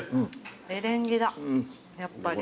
メレンゲだやっぱり。